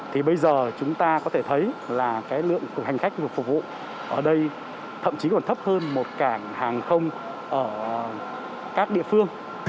thì bây giờ chúng ta có thể thấy là cái lượng hành khách mà phục vụ ở đây thậm chí còn thấp hơn một cảng hàng không ở các địa phương